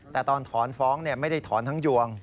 แต่ตอนถอนฟ้องไม่ได้ถอนทั้งยวง